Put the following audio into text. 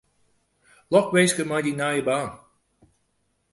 Lokwinske mei dyn nije baan.